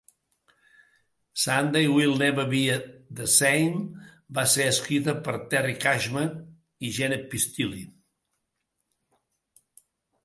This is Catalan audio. "Sunday Will Never Be the Same" va ser escrita per Terry Cashman i Gene Pistilli.